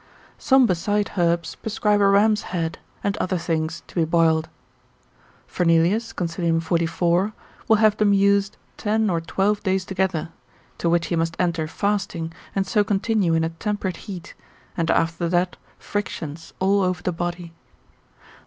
Some beside herbs prescribe a ram's head and other things to be boiled. Fernelius, consil. 44. will have them used ten or twelve days together; to which he must enter fasting, and so continue in a temperate heat, and after that frictions all over the body.